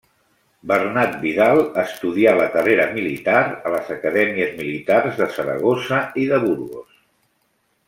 Bernat Vidal estudià la carrera militar a les acadèmies militars de Saragossa i de Burgos.